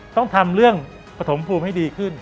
ต้องทำเรื่องปฐมภูมิให้ดีขึ้น